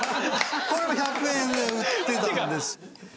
これも１００円で売ってたんです。